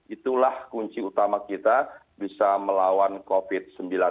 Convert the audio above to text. itulah kunci utama kita bisa melawan covid sembilan belas